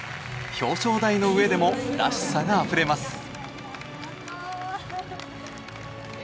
表彰台の上でもらしさがあふれます。